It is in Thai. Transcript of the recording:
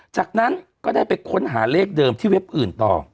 จากนั้นก็ได้ไปค้นหาเลขเดิมที่เว็บอื่นต่อ